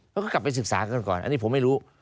เขาก็กลับไปศึกษากันก่อนอันนี้ผมไม่รู้